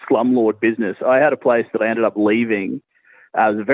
saya bisa memiliki rumah dan keluarga